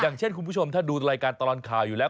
อย่างเช่นคุณผู้ชมถ้าดูรายการตลอดข่าวอยู่แล้ว